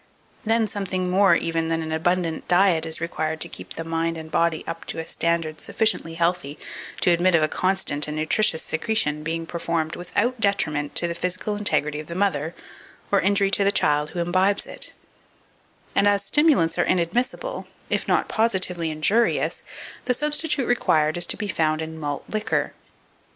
Then something more even than an abundant diet is required to keep the mind and body up to a standard sufficiently healthy to admit of a constant and nutritious secretion being performed without detriment to the physical integrity of the mother, or injury to the child who imbibes it; and as stimulants are inadmissible, if not positively injurious, the substitute required is to be found in malt liquor.